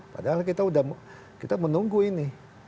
padahal kita menunggu ini